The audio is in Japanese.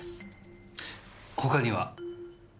他には？